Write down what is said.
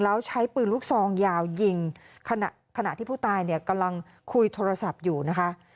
แล้วใช้ปืนลูกซองยาวยิงขณะที่ผู้ตายเนี่ยกำลังคุยโทรศัพท์อยู่นะคะ